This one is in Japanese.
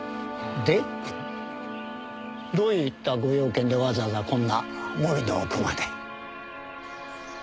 でどういったご用件でわざわざこんな森の奥まで？